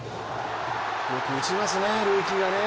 よく打ちますね、ルーキーがね。